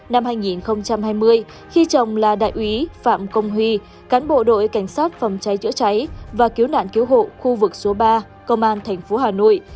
năm hai nghìn hai mươi khi chồng là đại úy phạm công huy cán bộ đội cảnh sát phòng cháy chữa cháy và cứu nạn cứu hộ khu vực số ba công an tp hà nội